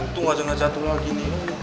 untung aja ga jatuh lagi nih